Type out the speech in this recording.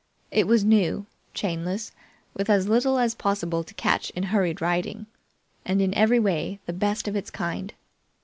It was new, chainless, with as little as possible to catch in hurried riding, and in every way the best of its kind.